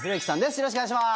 よろしくお願いします！